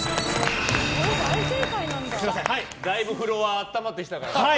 だいぶフロア温まってきたから。